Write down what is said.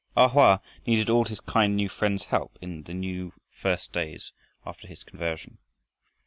A Hoa needed all his kind new friend's help in the first days after his conversion.